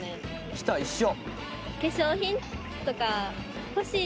「きた一緒！」